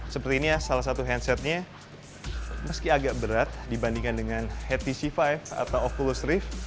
sepertinya salah satu handsetnya meski agak berat dibandingkan dengan htc vive atau oculus rift